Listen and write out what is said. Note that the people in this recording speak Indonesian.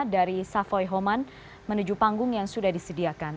dari savoy homan menuju panggung yang sudah disediakan